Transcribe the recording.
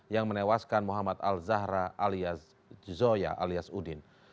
yang menewaskan muhammad al zahra alias zoya alias udin